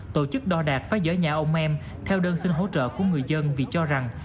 tổ chức đo đạt phái giới nhà ông em theo đơn xin hỗ trợ của người dân vì cho rằng